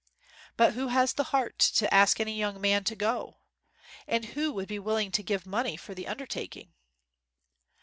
But who has the heart to ask any young man to go? And who would be willing to give money for the undertaking?"